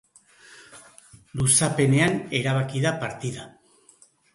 Luzapenean erabaki da partida.